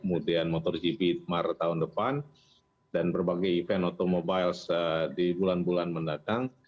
kemudian motorgp mar tahun depan dan berbagai event automobiles di bulan bulan mendatang